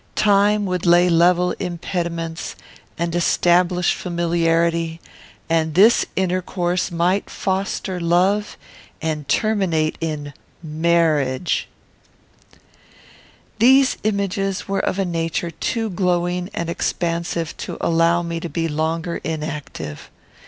Time would lay level impediments and establish familiarity, and this intercourse might foster love and terminate in marriage! These images were of a nature too glowing and expansive to allow me to be longer inactive.